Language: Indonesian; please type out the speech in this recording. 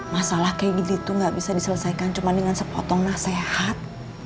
masalah kayak gitu nggak bisa diselesaikan cuma dengan sepotong nasihat